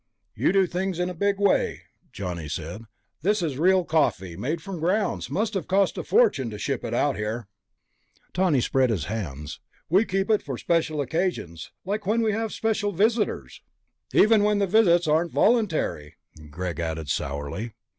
"You do things in a big way," Johnny said. "This is real coffee, made from grounds. Must have cost a fortune to ship it out here." Tawney spread his hands. "We keep it for special occasions. Like when we have special visitors." "Even when the visits aren't voluntary," Greg added sourly.